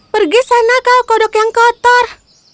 pergi sana kau kodok yang kotor